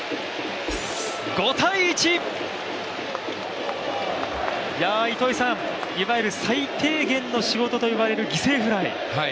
５−１、糸井さんいわゆる最低限の仕事といわれる犠牲フライ。